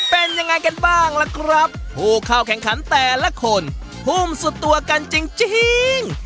เป็นยังไงกันบ้างล่ะครับผู้เข้าแข่งขันแต่ละคนภูมิสุดตัวกันจริงจริง